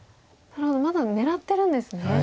なるほどまだ狙ってるんですね。